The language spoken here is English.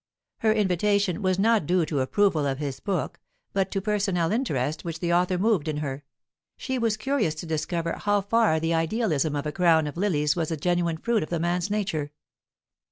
Her invitation was not due to approval of his book, but to personal interest which the author moved in her; she was curious to discover how far the idealism of "A Crown of Lilies" was a genuine fruit of the man's nature.